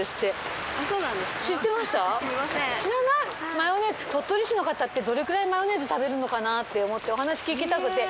マヨネーズ鳥取市の方ってどれくらいマヨネーズ食べるのかなって思ってお話聞きたくて。